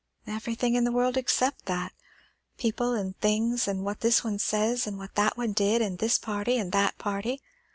"Everything in the world, except that. People and things, and what this one says and what that one did, and this party and that party.